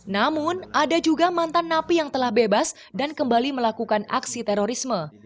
namun ada juga mantan napi yang telah bebas dan kembali melakukan aksi terorisme